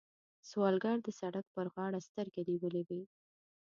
سوالګر د سړک پر غاړه سترګې نیولې وي